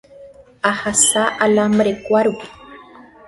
Ahasa alambre-kuárupi